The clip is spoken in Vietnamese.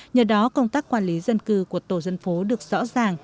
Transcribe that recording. nhờ đó công tác quản lý dân cư của tổ dân phố được rõ ràng